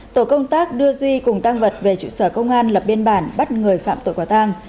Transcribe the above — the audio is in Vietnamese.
tổ công tác đưa duy cùng tăng vật về trụ sở công an lập biên bản bắt người phạm tội quả tang